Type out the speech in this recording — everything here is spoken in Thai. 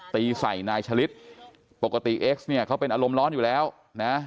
ตีใส่นายฉลิดปกติเอ็กซเนี่ยเขาเป็นอารมณ์ร้อนอยู่แล้วนะ